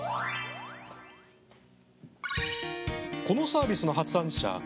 このサービスの発案者